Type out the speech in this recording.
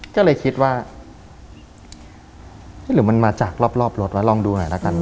ก็เลยคิดว่าหรือมันมาจากรอบรถวะลองดูหน่อยละกัน